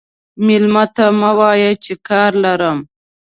مېلمه ته مه وایه چې کار لرم.